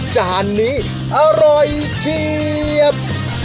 จานนี้อร่อยเชียบ